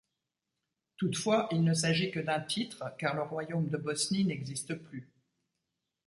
Toutefois il ne s'agit que d'un titre car le royaume de Bosnie n'existe plus.